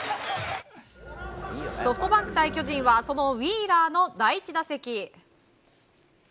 ソフトバンク対巨人はそのウィーラーの第１打席。